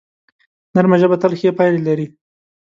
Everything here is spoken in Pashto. نرمه ژبه تل ښې پایلې لري